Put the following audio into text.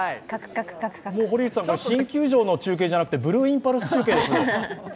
堀内さん、これ新球場の中継じゃなくてブルーインパルス中継です。